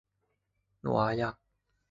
诺阿亚。